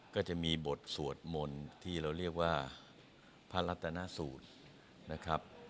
ก็จะมีบทสวดมนต์ที่เราเรียกว่าพระรัตนสูตรนะครับ